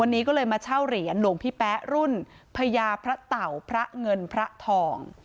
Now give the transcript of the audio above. วันนี้ก็เลยมาเช่าเหรียญหลวงพี่แป๊ะรุ่นพญาพระเต่าพระเงินพระทอง